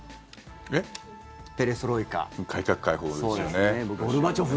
改革開放ですよね。